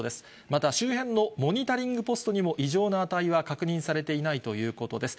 また、周辺のモニタリングポストにも異常な値は確認されていないということです。